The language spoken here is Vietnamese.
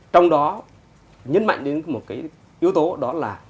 trong đó nhấn mạnh đến một cái yếu tố đó là